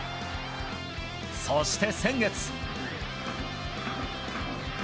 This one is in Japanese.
そして先月。